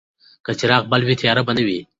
که څراغ بل وای، تیاره به نه وه.